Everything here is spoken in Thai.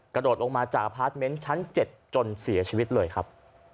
กระโดดลงมาจากอพาร์ทเมนต์ชั้น๗จนเสียชีวิตเลยครับ